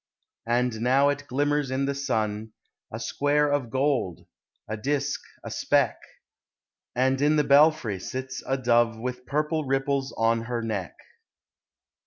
And now it glimmers in the sun, A square of gold, a disc a speck: And in the belfry sits a Dove With purple ripples on her neck.